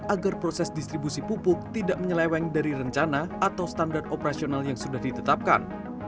agar proses distribusi pupuk tidak menyeleweng dari rencana atau standar operasional yang sudah ditetapkan